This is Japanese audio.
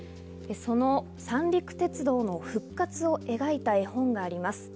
その三陸鉄道の復活を描いた絵本があります。